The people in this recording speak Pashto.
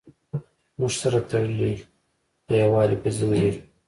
موږ سره تړلي د یووالي په زنځیر یو.